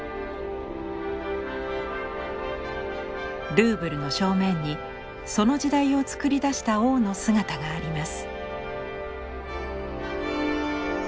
ルーブルの正面にその時代を作り出した王の姿があります。